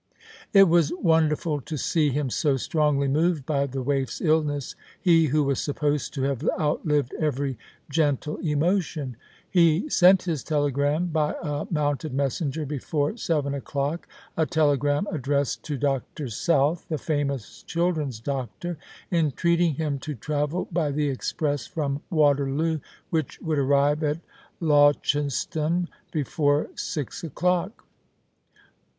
It was wonderful to see him so strongly moved by the waif's illness, he who was supposed to have outlived every gentle emotion. He sent his telegram by a mounted messenger before 204 The Christmas Hirelings. seven o'clock, a telegmm addressed to Dr. South, the famous ohiklren's doctor, entreating him to travel by the express from Waterloo which would arrive at Launceston before six o'clock.